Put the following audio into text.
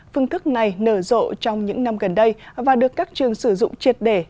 phương thức này nở rộ trong những năm gần đây và được các trường sử dụng triệt để